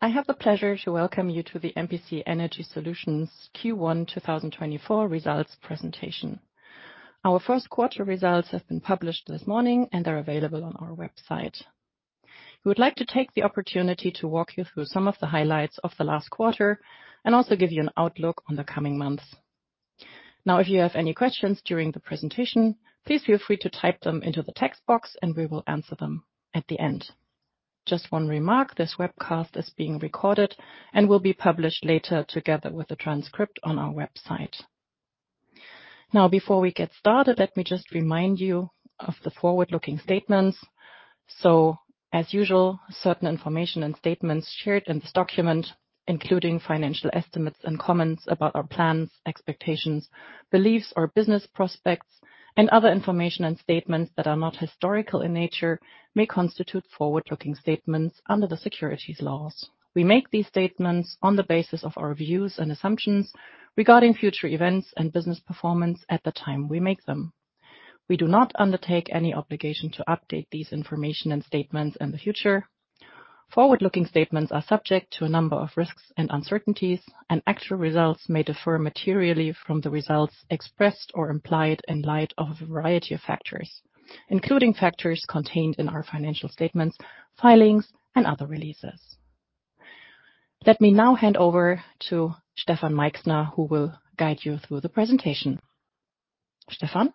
I have the pleasure to welcome you to the MPC Energy Solutions Q1 2024 results presentation. Our Q1 results have been published this morning and are available on our website. We would like to take the opportunity to walk you through some of the highlights of the last quarter, and also give you an outlook on the coming months. Now, if you have any questions during the presentation, please feel free to type them into the text box, and we will answer them at the end. Just one remark, this webcast is being recorded and will be published later, together with the transcript on our website. Now, before we get started, let me just remind you of the forward-looking statements. So, as usual, certain information and statements shared in this document, including financial estimates and comments about our plans, expectations, beliefs, or business prospects, and other information and statements that are not historical in nature, may constitute forward-looking statements under the securities laws. We make these statements on the basis of our views and assumptions regarding future events and business performance at the time we make them. We do not undertake any obligation to update these information and statements in the future. Forward-looking statements are subject to a number of risks and uncertainties, and actual results may differ materially from the results expressed or implied in light of a variety of factors, including factors contained in our financial statements, filings, and other releases. Let me now hand over to Stefan Meichsner, who will guide you through the presentation. Stefan?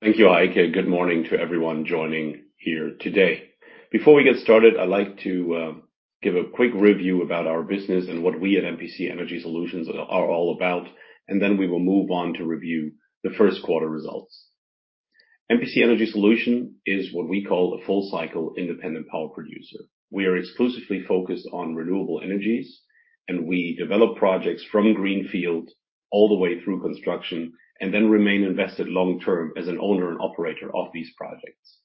Thank you, Heike, good morning to everyone joining here today. Before we get started, I'd like to give a quick review about our business and what we at MPC Energy Solutions are all about, and then we will move on to review the Q1 results. MPC Energy Solutions is what we call a full cycle independent power producer. We are exclusively focused on renewable energies, and we develop projects from greenfield all the way through construction, and then remain invested long-term as an owner and operator of these projects.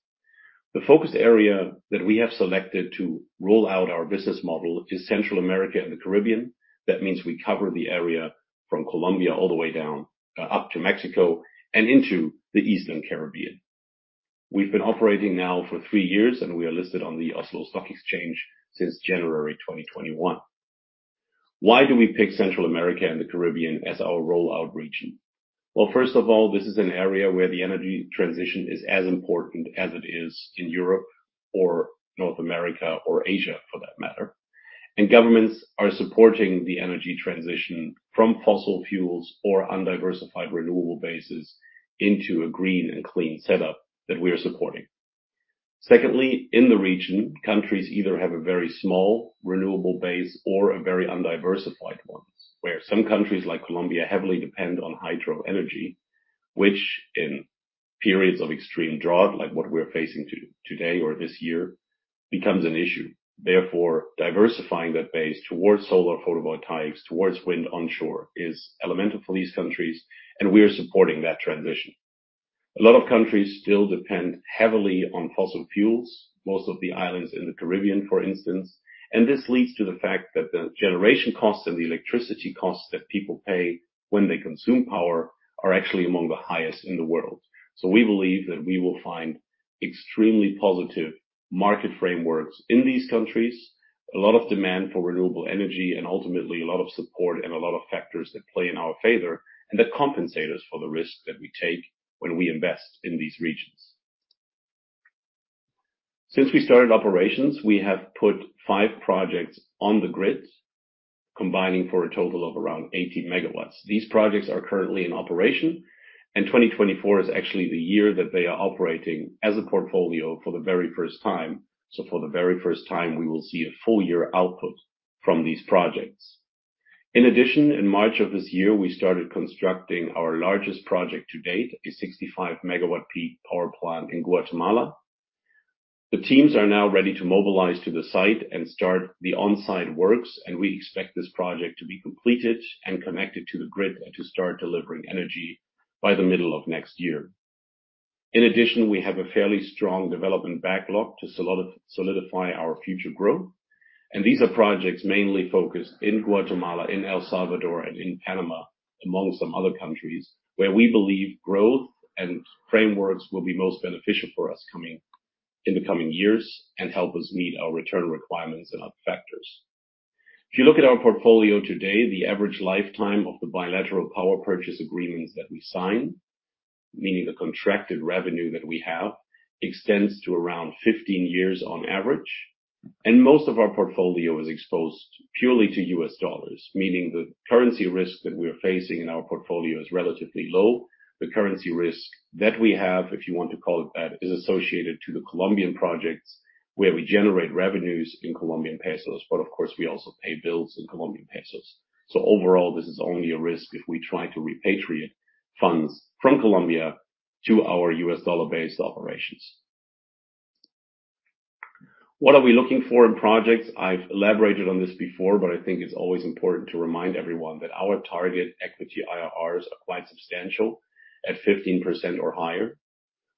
The focus area that we have selected to roll out our business model is Central America and the Caribbean. That means we cover the area from Colombia all the way down up to Mexico and into the Eastern Caribbean. We've been operating now for three years, and we are listed on the Oslo Stock Exchange since January 2021. Why do we pick Central America and the Caribbean as our rollout region? Well, first of all, this is an area where the energy transition is as important as it is in Europe or North America, or Asia, for that matter. And governments are supporting the energy transition from fossil fuels or undiversified renewable bases into a green and clean setup that we are supporting. Secondly, in the region, countries either have a very small renewable base or a very undiversified ones, where some countries like Colombia, heavily depend on hydro energy, which in periods of extreme drought, like what we're facing today or this year, becomes an issue. Therefore, diversifying that base towards solar photovoltaics, towards wind onshore, is elemental for these countries, and we are supporting that transition. A lot of countries still depend heavily on fossil fuels, most of the islands in the Caribbean, for instance, and this leads to the fact that the generation costs and the electricity costs that people pay when they consume power, are actually among the highest in the world. So we believe that we will find extremely positive market frameworks in these countries, a lot of demand for renewable energy, and ultimately a lot of support and a lot of factors that play in our favor, and that compensate us for the risks that we take when we invest in these regions. Since we started operations, we have put five projects on the grid, combining for a total of around 80 MW. These projects are currently in operation, and 2024 is actually the year that they are operating as a portfolio for the very first time. So for the very first time, we will see a full year output from these projects. In addition, in March of this year, we started constructing our largest project to date, a 65 MWp power plant in Guatemala. The teams are now ready to mobilize to the site and start the on-site works, and we expect this project to be completed and connected to the grid and to start delivering energy by the middle of next year. In addition, we have a fairly strong development backlog to solidify our future growth. These are projects mainly focused in Guatemala, in El Salvador, and in Panama, among some other countries, where we believe growth and frameworks will be most beneficial for us in the coming years, and help us meet our return requirements and other factors. If you look at our portfolio today, the average lifetime of the bilateral power purchase agreements that we sign, meaning the contracted revenue that we have, extends to around 15 years on average, and most of our portfolio is exposed purely to U.S. dollars, meaning the currency risk that we are facing in our portfolio is relatively low. The currency risk that we have, if you want to call it that, is associated to the Colombian projects, where we generate revenues in Colombian pesos. But of course, we also pay bills in Colombian pesos. So overall, this is only a risk if we try to repatriate funds from Colombia to our U.S. dollar-based operations. What are we looking for in projects? I've elaborated on this before, but I think it's always important to remind everyone that our target equity IRRs are quite substantial, at 15% or higher.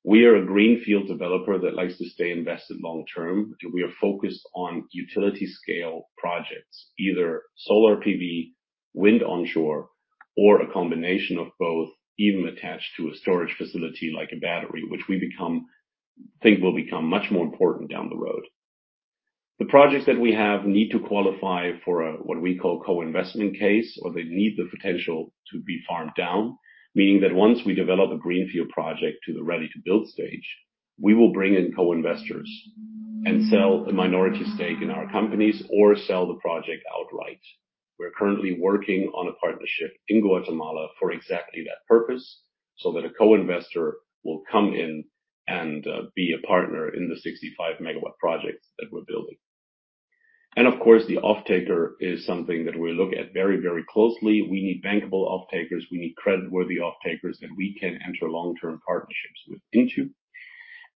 We are a greenfield developer that likes to stay invested long term. We are focused on utility scale projects, either solar PV, wind onshore or a combination of both, even attached to a storage facility like a battery, which we think will become much more important down the road. The projects that we have need to qualify for what we call co-investment case, or they need the potential to be farmed down, meaning that once we develop a greenfield project to the ready-to-build stage, we will bring in co-investors and sell a minority stake in our companies or sell the project outright. We're currently working on a partnership in Guatemala for exactly that purpose, so that a co-investor will come in and be a partner in the 65 MW project that we're building. And of course, the offtaker is something that we look at very, very closely. We need bankable offtakers, we need credit-worthy offtakers that we can enter long-term partnerships with, into.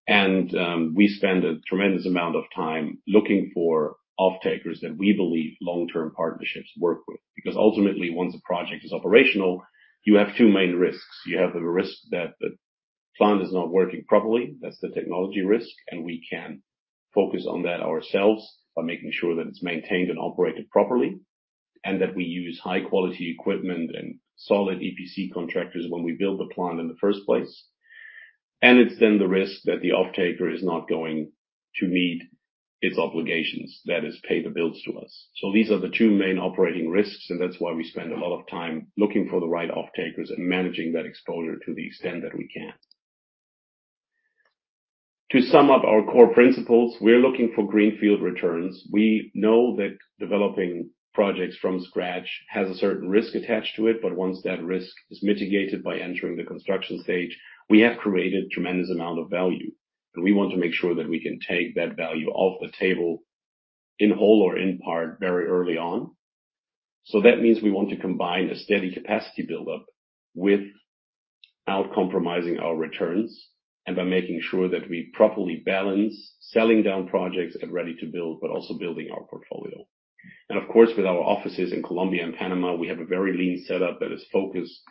And, we spend a tremendous amount of time looking for offtakers that we believe long-term partnerships work with. Because ultimately, once a project is operational, you have two main risks. You have the risk that the plant is not working properly, that's the technology risk, and we can focus on that ourselves by making sure that it's maintained and operated properly, and that we use high-quality equipment and solid EPC contractors when we build the plant in the first place. And it's then the risk that the offtaker is not going to meet its obligations, that is, pay the bills to us. So these are the two main operating risks, and that's why we spend a lot of time looking for the right offtakers and managing that exposure to the extent that we can. To sum up our core principles, we're looking for greenfield returns. We know that developing projects from scratch has a certain risk attached to it, but once that risk is mitigated by entering the construction stage, we have created tremendous amount of value, and we want to make sure that we can take that value off the table, in whole or in part, very early on. So that means we want to combine a steady capacity buildup without compromising our returns, and by making sure that we properly balance selling down projects and ready to build, but also building our portfolio. Of course, with our offices in Colombia and Panama, we have a very lean setup that is focused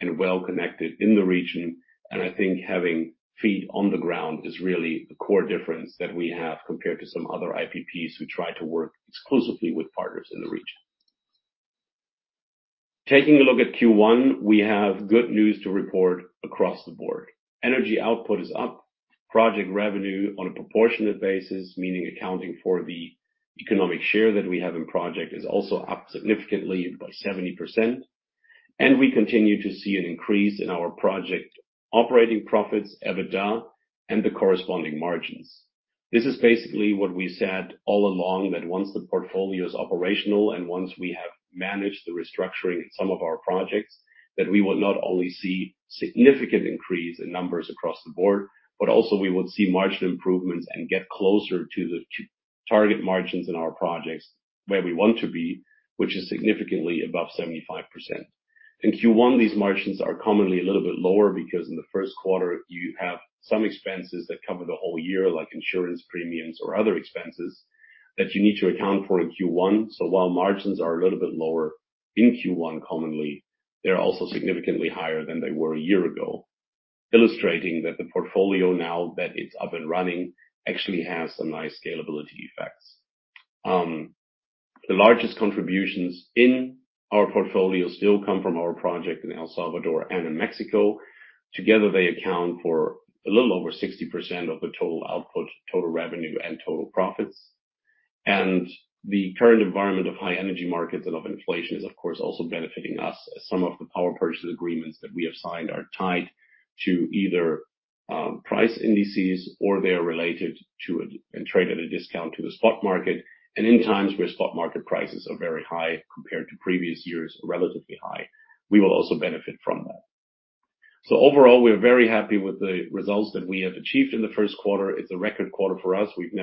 and well connected in the region. I think having feet on the ground is really a core difference that we have compared to some other IPPs who try to work exclusively with partners in the region. Taking a look at Q1, we have good news to report across the board. Energy output is up, project revenue on a proportionate basis, meaning accounting for the economic share that we have in project, is also up significantly by 70%, and we continue to see an increase in our project operating profits, EBITDA, and the corresponding margins. This is basically what we said all along, that once the portfolio is operational and once we have managed the restructuring in some of our projects, that we will not only see significant increase in numbers across the board, but also we will see margin improvements and get closer to the target margins in our projects where we want to be, which is significantly above 75%. In Q1, these margins are commonly a little bit lower because in the Q1, you have some expenses that cover the whole year, like insurance premiums or other expenses, that you need to account for in Q1. So while margins are a little bit lower in Q1, commonly, they're also significantly higher than they were a year ago, illustrating that the portfolio, now that it's up and running, actually has some nice scalability effects. The largest contributions in our portfolio still come from our project in El Salvador and in Mexico. Together, they account for a little over 60% of the total output, total revenue, and total profits. The current environment of high energy markets and of inflation is, of course, also benefiting us, as some of the power purchase agreements that we have signed are tied to either price indices, or they are related to and trade at a discount to the spot market. In times where spot market prices are very high compared to previous years, relatively high, we will also benefit from that. Overall, we're very happy with the results that we have achieved in the Q1. It's a record quarter for us. We've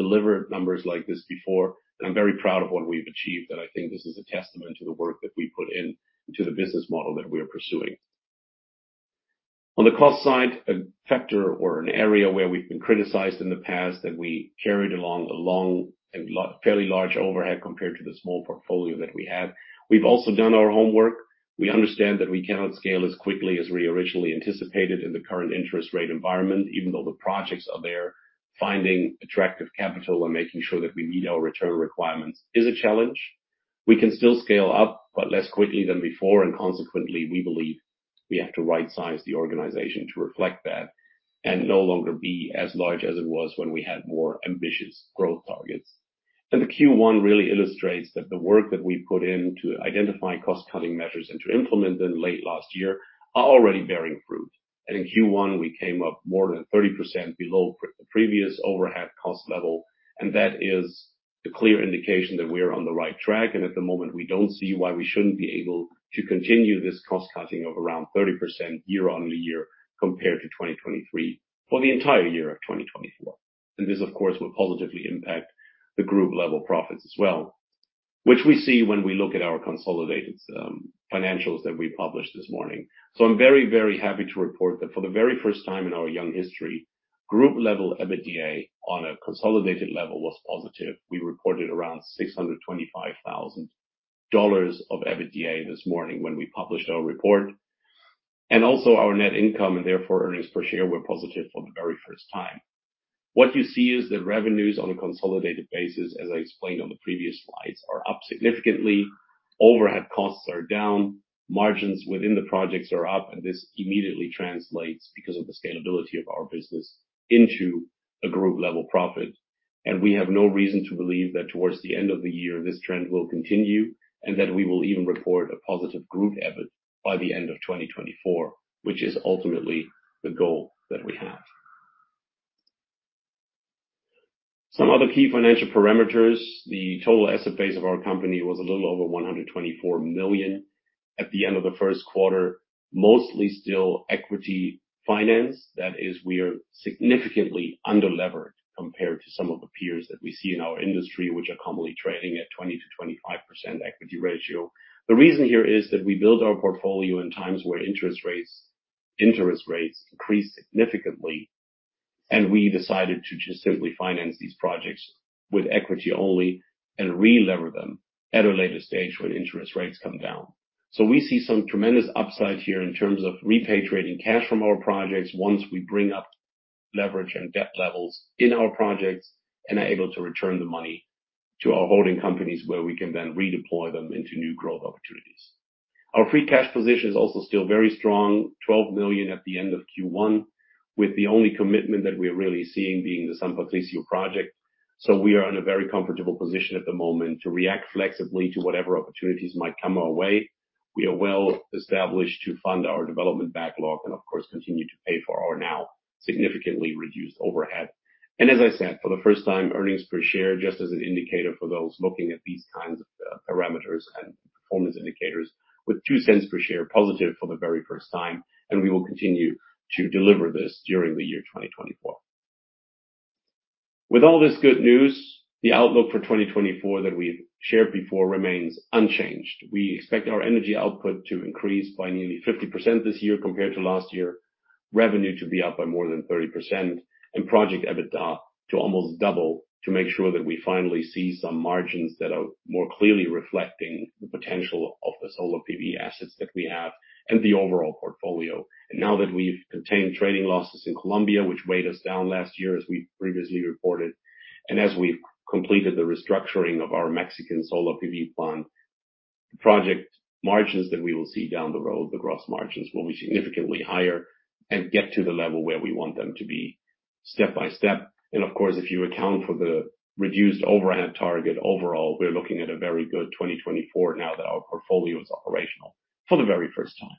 never delivered numbers like this before, and I'm very proud of what we've achieved, and I think this is a testament to the work that we put in, to the business model that we're pursuing. On the cost side, a factor or an area where we've been criticized in the past, that we carried along a long and fairly large overhead compared to the small portfolio that we had. We've also done our homework. We understand that we cannot scale as quickly as we originally anticipated in the current interest rate environment, even though the projects are there. Finding attractive capital and making sure that we meet our return requirements is a challenge. We can still scale up, but less quickly than before, and consequently, we believe we have to rightsize the organization to reflect that, and no longer be as large as it was when we had more ambitious growth targets. The Q1 really illustrates that the work that we've put in to identify cost-cutting measures and to implement them late last year are already bearing fruit. In Q1, we came up more than 30% below the previous overhead cost level, and that is a clear indication that we are on the right track. At the moment, we don't see why we shouldn't be able to continue this cost cutting of around 30% year-on-year compared to 2023 for the entire year of 2024. This, of course, will positively impact the group level profits as well, which we see when we look at our consolidated financials that we published this morning. So I'm very, very happy to report that for the very first time in our young history, group level EBITDA on a consolidated level was positive. We reported around $625,000 of EBITDA this morning when we published our report. And also our net income, and therefore, earnings per share were positive for the very first time. What you see is that revenues on a consolidated basis, as I explained on the previous slides, are up significantly. Overhead costs are down, margins within the projects are up, and this immediately translates, because of the scalability of our business, into a group-level profit. We have no reason to believe that towards the end of the year, this trend will continue, and that we will even report a positive group EBIT by the end of 2024, which is ultimately the goal that we have. Some other key financial parameters. The total asset base of our company was a little over $124 million at the end of the Q1, mostly still equity finance. That is, we are significantly under-levered compared to some of the peers that we see in our industry, which are commonly trading at 20%-25% equity ratio. The reason here is that we build our portfolio in times where interest rates increase significantly, and we decided to just simply finance these projects with equity only and re-lever them at a later stage when interest rates come down. So we see some tremendous upside here in terms of repatriating cash from our projects once we bring up leverage and debt levels in our projects, and are able to return the money to our holding companies, where we can then redeploy them into new growth opportunities. Our free cash position is also still very strong, $12 million at the end of Q1, with the only commitment that we're really seeing being the San Patricio project. So we are in a very comfortable position at the moment to react flexibly to whatever opportunities might come our way. We are well established to fund our development backlog and, of course, continue to pay for our now significantly reduced overhead. And as I said, for the first time, earnings per share, just as an indicator for those looking at these kinds of, parameters and performance indicators, with $0.02 per share positive for the very first time, and we will continue to deliver this during the year 2024. With all this good news, the outlook for 2024 that we've shared before remains unchanged. We expect our energy output to increase by nearly 50% this year compared to last year, revenue to be up by more than 30%, and project EBITDA to almost double, to make sure that we finally see some margins that are more clearly reflecting the potential of the solar PV assets that we have and the overall portfolio. Now that we've contained trading losses in Colombia, which weighed us down last year, as we previously reported, and as we've completed the restructuring of our Mexican solar PV fund, project margins that we will see down the road, the gross margins, will be significantly higher and get to the level where we want them to be step by step. Of course, if you account for the reduced overhead target, overall, we're looking at a very good 2024 now that our portfolio is operational for the very first time.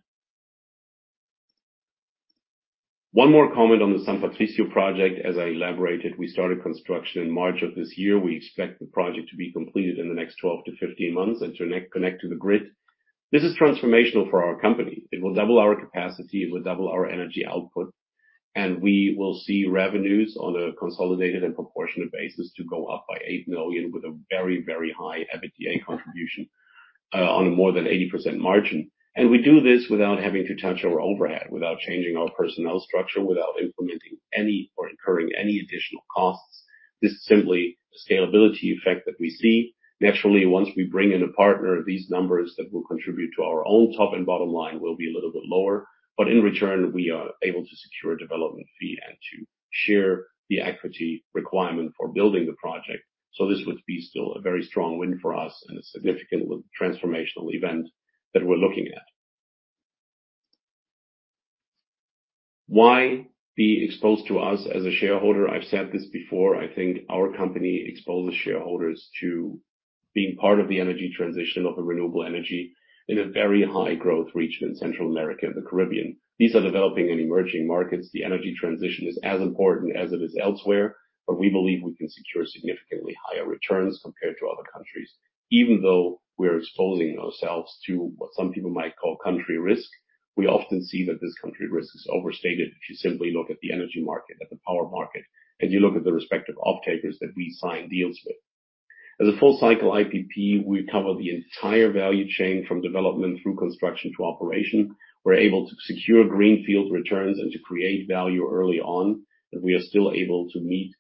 One more comment on the San Patricio project. As I elaborated, we started construction in March of this year. We expect the project to be completed in the next 12-15 months and to net-connect to the grid. This is transformational for our company. It will double our capacity, it will double our energy output, and we will see revenues on a consolidated and proportionate basis to go up by $8 million, with a very, very high EBITDA contribution on a more than 80% margin. And we do this without having to touch our overhead, without changing our personnel structure, without implementing any or incurring any additional costs. This is simply a scalability effect that we see. Naturally, once we bring in a partner, these numbers that will contribute to our own top and bottom line will be a little bit lower, but in return, we are able to secure a development fee and to share the equity requirement for building the project. So this would be still a very strong win for us and a significant transformational event that we're looking at. Why be exposed to us as a shareholder? I've said this before, I think our company exposes shareholders to being part of the energy transition of the renewable energy in a very high growth region in Central America and the Caribbean. These are developing and emerging markets. The energy transition is as important as it is elsewhere, but we believe we can secure significantly higher returns compared to other countries, even though we're exposing ourselves to what some people might call country risk. We often see that this country risk is overstated if you simply look at the energy market, at the power market, and you look at the respective off-takers that we sign deals with. As a full cycle IPP, we cover the entire value chain, from development through construction to operation. We're able to secure greenfield returns and to create value early on, and we are still able to meet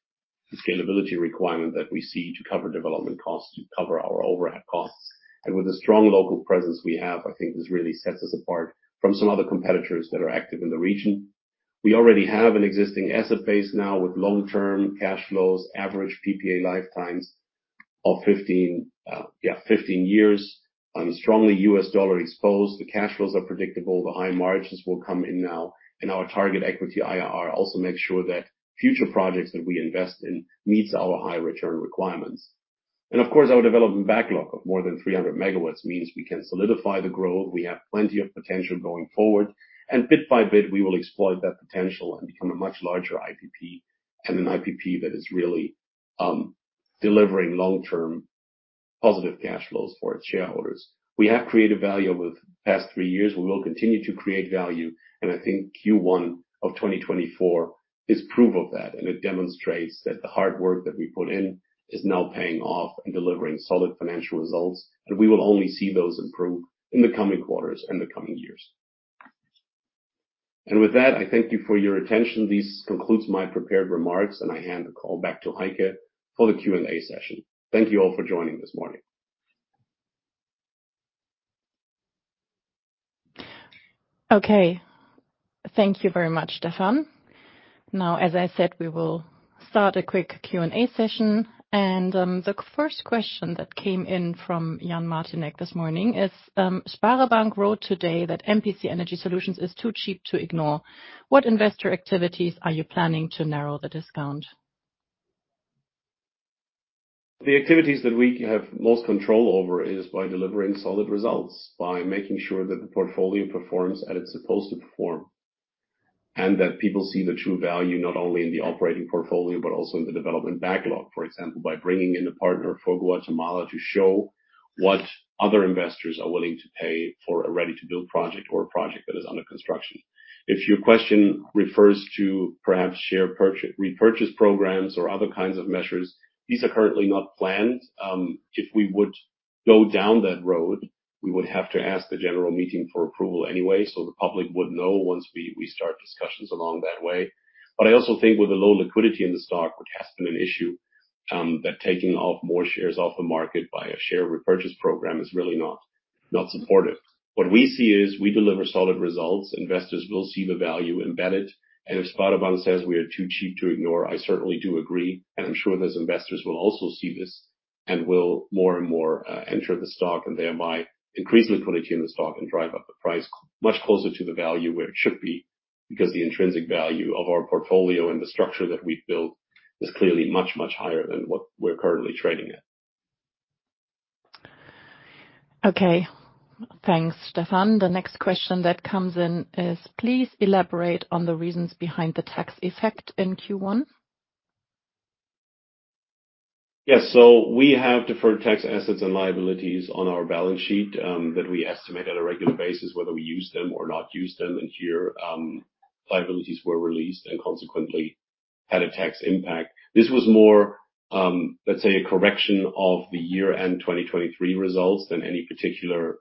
the scalability requirement that we see to cover development costs, to cover our overhead costs. With a strong local presence we have, I think this really sets us apart from some other competitors that are active in the region. We already have an existing asset base now with long-term cash flows, average PPA lifetimes of 15 years, and strongly U.S. dollar exposed. The cash flows are predictable, the high margins will come in now, and our target equity IRR also makes sure that future projects that we invest in meets our high return requirements. Of course, our development backlog of more than 300 MW means we can solidify the growth. We have plenty of potential going forward, and bit by bit, we will exploit that potential and become a much larger IPP, and an IPP that is really, delivering long-term positive cash flows for its shareholders. We have created value over the past three years. We will continue to create value, and I think Q1 of 2024 is proof of that, and it demonstrates that the hard work that we put in is now paying off and delivering solid financial results, and we will only see those improve in the coming quarters and the coming years. And with that, I thank you for your attention. This concludes my prepared remarks, and I hand the call back to Heike for the Q&A session. Thank you all for joining this morning. Okay, thank you very much, Stefan. Now, as I said, we will start a quick Q&A session. The first question that came in from Jan Martinek this morning is, SpareBank wrote today that MPC Energy Solutions is too cheap to ignore. What investor activities are you planning to narrow the discount? The activities that we have most control over is by delivering solid results, by making sure that the portfolio performs as it's supposed to perform, and that people see the true value, not only in the operating portfolio, but also in the development backlog. For example, by bringing in a partner for Guatemala to show what other investors are willing to pay for a ready-to-build project or a project that is under construction. If your question refers to perhaps share repurchase programs or other kinds of measures, these are currently not planned. If we would go down that road, we would have to ask the general meeting for approval anyway, so the public would know once we start discussions along that way. But I also think with the low liquidity in the stock, which has been an issue, that taking off more shares off the market by a share repurchase program is really not, not supportive. What we see is, we deliver solid results, investors will see the value embedded, and if SpareBank says we are too cheap to ignore, I certainly do agree, and I'm sure those investors will also see this and will more and more, enter the stock and thereby increase liquidity in the stock and drive up the price much closer to the value where it should be. Because the intrinsic value of our portfolio and the structure that we've built is clearly much, much higher than what we're currently trading at. Okay. Thanks, Stefan. The next question that comes in is, please elaborate on the reasons behind the tax effect in Q1. Yes, so we have deferred tax assets and liabilities on our balance sheet, that we estimate on a regular basis whether we use them or not use them. Here, liabilities were released and consequently had a tax impact. This was more, let's say, a correction of the year-end 2023 results than any particular,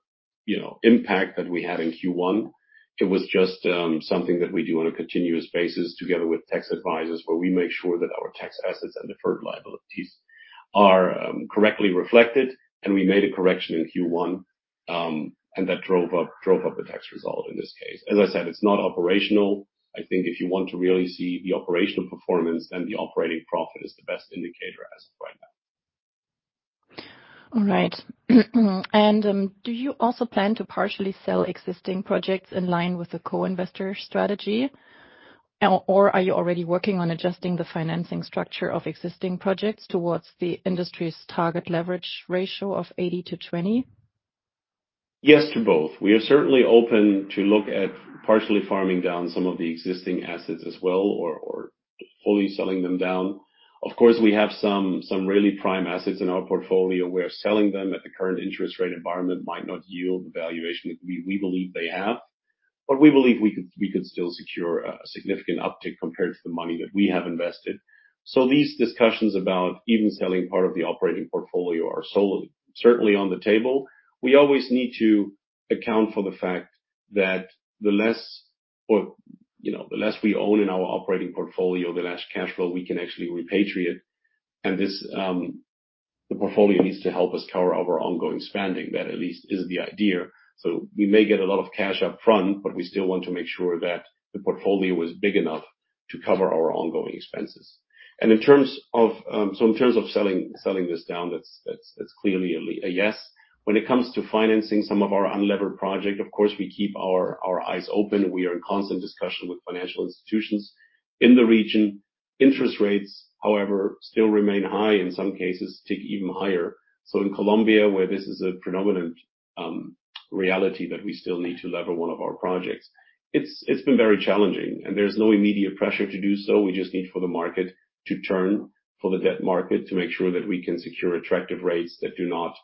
you know, impact that we had in Q1. It was just, something that we do on a continuous basis together with tax advisors, where we make sure that our tax assets and deferred liabilities are, correctly reflected, and we made a correction in Q1, and that drove up, drove up the tax result in this case. As I said, it's not operational. I think if you want to really see the operational performance, then the operating profit is the best indicator as of right now. All right. And, do you also plan to partially sell existing projects in line with the co-investor strategy? Or, are you already working on adjusting the financing structure of existing projects towards the industry's target leverage ratio of 80-20? Yes to both. We are certainly open to look at partially farming down some of the existing assets as well, or fully selling them down. Of course, we have some really prime assets in our portfolio, where selling them at the current interest rate environment might not yield the valuation we believe they have. But we believe we could still secure a significant uptick compared to the money that we have invested. So these discussions about even selling part of the operating portfolio are certainly on the table. We always need to account for the fact that the less, you know, the less we own in our operating portfolio, the less cash flow we can actually repatriate. And this, the portfolio needs to help us cover our ongoing spending. That at least is the idea. So we may get a lot of cash up front, but we still want to make sure that the portfolio is big enough to cover our ongoing expenses. In terms of, so in terms of selling, selling this down, that's, that's, that's clearly a yes. When it comes to financing some of our unlevered project, of course, we keep our, our eyes open. We are in constant discussion with financial institutions in the region. Interest rates, however, still remain high, in some cases, tick even higher. So in Colombia, where this is a predominant, reality, that we still need to lever one of our projects, it's, it's been very challenging, and there's no immediate pressure to do so. We just need for the market to turn, for the debt market, to make sure that we can secure attractive rates that do not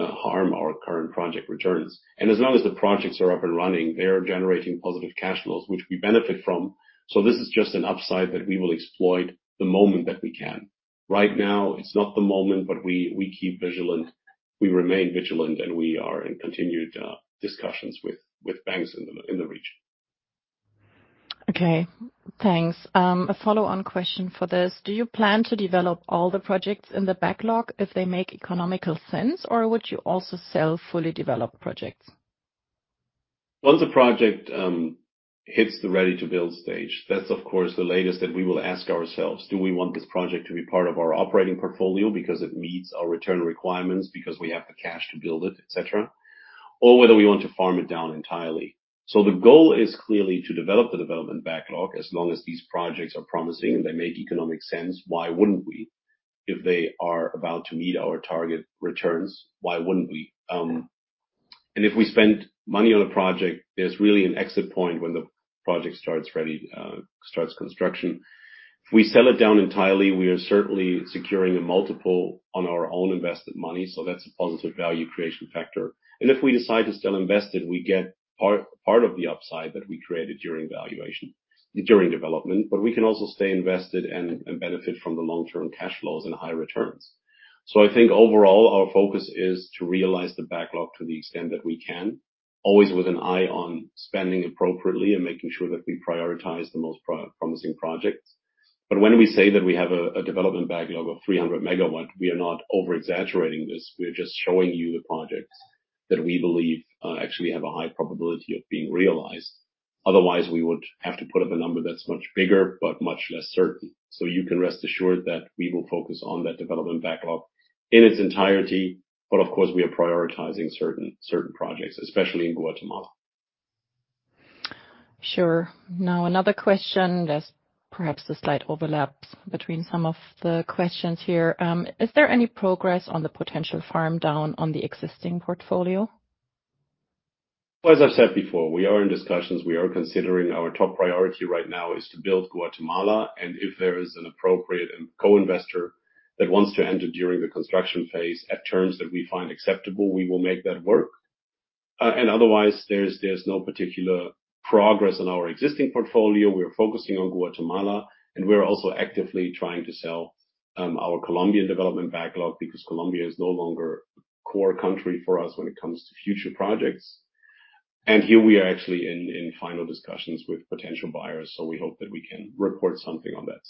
harm our current project returns. And as long as the projects are up and running, they are generating positive cash flows, which we benefit from. So this is just an upside that we will exploit the moment that we can. Right now, it's not the moment, but we keep vigilant, we remain vigilant, and we are in continued discussions with banks in the region. Okay, thanks. A follow-on question for this: Do you plan to develop all the projects in the backlog if they make economic sense, or would you also sell fully developed projects? Once a project hits the ready-to-build stage, that's, of course, the latest that we will ask ourselves: Do we want this project to be part of our operating portfolio because it meets our return requirements, because we have the cash to build it, et cetera? Or whether we want to farm it down entirely. So the goal is clearly to develop the development backlog. As long as these projects are promising and they make economic sense, why wouldn't we? If they are about to meet our target returns, why wouldn't we? And if we spend money on a project, there's really an exit point when the project starts construction. If we sell it down entirely, we are certainly securing a multiple on our own invested money, so that's a positive value creation factor. If we decide to still invest it, we get part, part of the upside that we created during valuation during development, but we can also stay invested and, and benefit from the long-term cash flows and high returns. So I think overall, our focus is to realize the backlog to the extent that we can, always with an eye on spending appropriately and making sure that we prioritize the most promising projects. But when we say that we have a development backlog of 300 MW, we are not over-exaggerating this. We are just showing you the projects that we believe, actually have a high probability of being realized. Otherwise, we would have to put up a number that's much bigger, but much less certain. So you can rest assured that we will focus on that development backlog in its entirety, but of course, we are prioritizing certain, certain projects, especially in Guatemala. Sure. Now, another question. There's perhaps a slight overlap between some of the questions here. Is there any progress on the potential farm down on the existing portfolio? Well, as I've said before, we are in discussions, we are considering. Our top priority right now is to build Guatemala, and if there is an appropriate and co-investor that wants to enter during the construction phase at terms that we find acceptable, we will make that work. And otherwise, there's no particular progress on our existing portfolio. We are focusing on Guatemala, and we're also actively trying to sell our Colombian development backlog, because Colombia is no longer a core country for us when it comes to future projects. And here we are actually in final discussions with potential buyers, so we hope that we can report something on that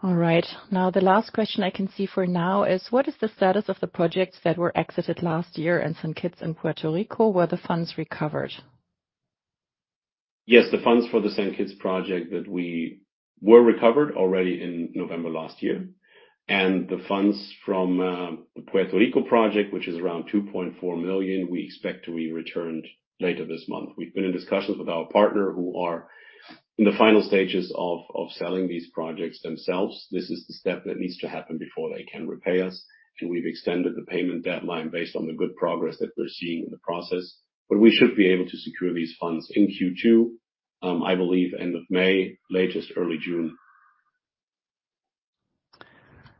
soon. All right. Now, the last question I can see for now is: What is the status of the projects that were exited last year in St. Kitts in Puerto Rico? Were the funds recovered? Yes, the funds for the St. Kitts project that were recovered already in November last year. The funds from Puerto Rico project, which is around $2.4 million, we expect to be returned later this month. We've been in discussions with our partner, who are in the final stages of selling these projects themselves. This is the step that needs to happen before they can repay us, and we've extended the payment deadline based on the good progress that we're seeing in the process. But we should be able to secure these funds in Q2, I believe end of May, latest early June.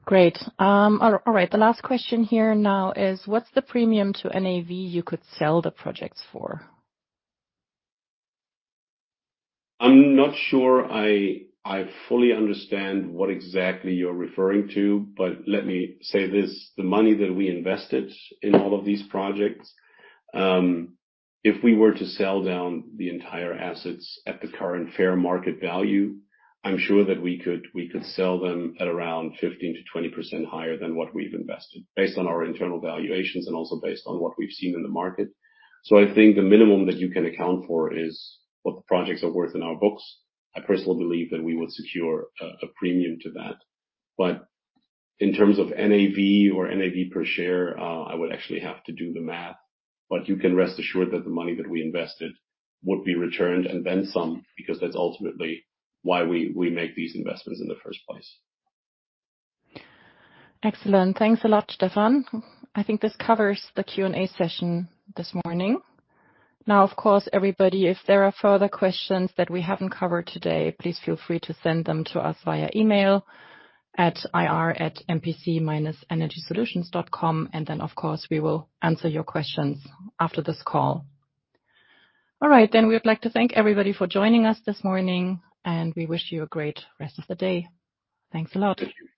Great. All right, the last question here now is: What's the premium to NAV you could sell the projects for? I'm not sure I fully understand what exactly you're referring to, but let me say this, the money that we invested in all of these projects, if we were to sell down the entire assets at the current fair market value, I'm sure that we could sell them at around 15%-20% higher than what we've invested, based on our internal valuations and also based on what we've seen in the market. So I think the minimum that you can account for is what the projects are worth in our books. I personally believe that we would secure a premium to that. In terms of NAV or NAV per share, I would actually have to do the math, but you can rest assured that the money that we invested would be returned, and then some, because that's ultimately why we make these investments in the first place. Excellent. Thanks a lot, Stefan. I think this covers the Q&A session this morning. Now, of course, everybody, if there are further questions that we haven't covered today, please feel free to send them to us via email at ir@mpc-energysolutions.com, and then, of course, we will answer your questions after this call. All right, then we would like to thank everybody for joining us this morning, and we wish you a great rest of the day. Thanks a lot. Thank you.